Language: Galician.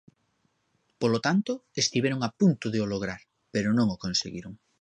Polo tanto, estiveron a punto de o lograr, pero non o conseguiron.